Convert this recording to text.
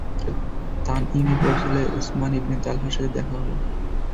তানঈমে পৌঁছলে উসমান ইবনে তালহার সাথে দেখা হল।